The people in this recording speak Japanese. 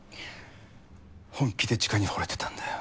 本気でチカに惚れてたんだよ。